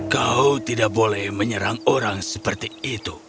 kau tidak boleh menyerang orang sebegini